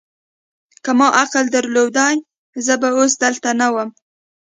که ما عقل درلودای، زه به اوس دلته نه ووم.